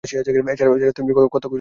এছাড়া, তিনি কত্থক প্রশিক্ষণ দিতেন।